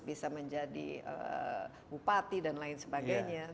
bisa menjadi bupati dan lain sebagainya